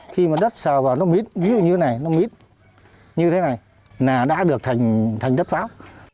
khi mà đất sờ vào nó mít như thế này nó mít như thế này là đã được thành đất pháo